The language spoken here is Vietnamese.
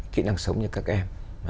kỹ năng sống như các em